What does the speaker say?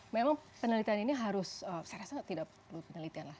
memang penelitian ini harus saya rasa tidak perlu penelitian lah